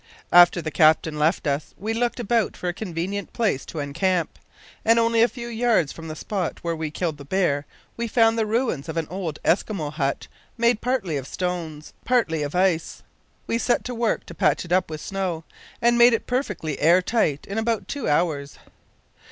After the captain left us, we looked about for a convenient place to encamp, and only a few yards from the spot where we killed the bear we found the ruins of an old Eskimo hut made partly of stones, partly of ice. We set to work to patch it up with snow, and made it perfectly air tight in about two hours.